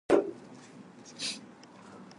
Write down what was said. A crater on Mercury is named after him.